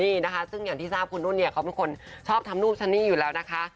นี่นะคะซึ่งอย่างที่ทราบคุณนุ่นเนี่ยเขาเป็นคนชอบทำรูปฉันนี่อยู่แล้วนะคะ